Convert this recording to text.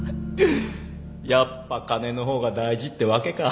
やっぱ金の方が大事ってわけか。